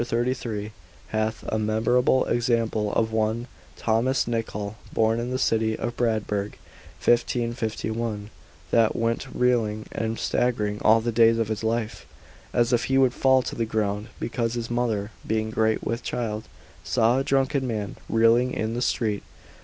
33, hath a memorable example of one Thomas Nickell, born in the city of Brandeburg, 1551, that went reeling and staggering all the days of his life, as if he would fall to the ground, because his mother being great with child saw a drunken man reeling in the street.